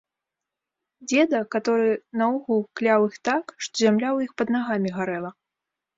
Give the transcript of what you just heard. Дзеда, каторы наогул кляў іх так, што зямля ў іх пад нагамі гарэла!